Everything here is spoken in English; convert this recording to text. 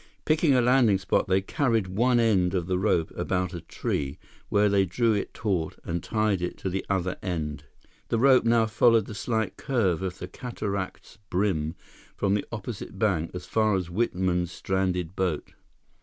Picking a landing spot, they carried one end of the rope about a tree, where they drew it taut and tied it to the other end. The rope now followed the slight curve of the cataract's brim from the opposite bank as far as Whitman's stranded boat.